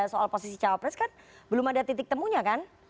soal posisi cawapres kan belum ada titik temunya kan